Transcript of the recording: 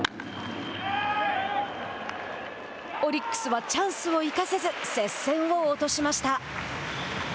オリックスはチャンスを生かせず接戦を落としました。